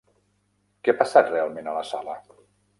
Què ha passat realment a la sala?